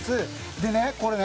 でね、これね。